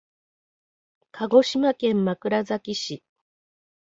鹿児島県枕崎市